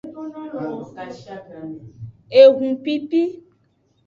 Ehupipi.